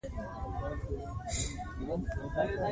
زموږ شاعرانو ژور پیغامونه رسولي دي.